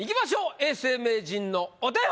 「永世名人のお手本」！